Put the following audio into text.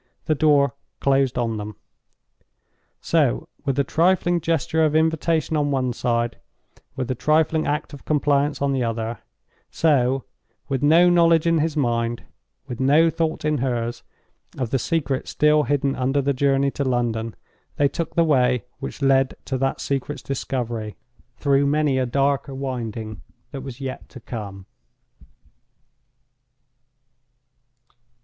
The door closed on them. So, with a trifling gesture of invitation on one side, with a trifling act of compliance on the other: so—with no knowledge in his mind, with no thought in hers, of the secret still hidden under the journey to London—they took the way which led to that secret's discovery, through many a darker winding that was yet to come.